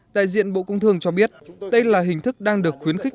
đại diện bộ công thương cho biết đây là hình thức đang được khuyến khích